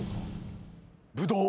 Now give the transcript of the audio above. ブドウ。